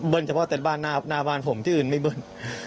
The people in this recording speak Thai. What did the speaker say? เฉพาะแต่บ้านหน้าบ้านผมที่อื่นไม่เบิ้ล